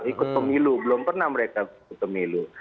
ikut pemilu belum pernah mereka ikut pemilu